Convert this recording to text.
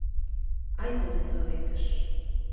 Айдыза Советыш!